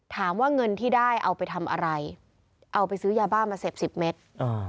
ถามว่าเงินที่ได้เอาไปทำอะไรเอาไปซื้อยาบ้ามาเสพสิบเมตร